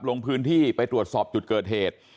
ลงพื้นที่ไปตรวจสอบจุดเกิดเหตุ